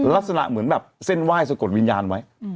ลักษณะเหมือนแบบเส้นไหว้สะกดวิญญาณไว้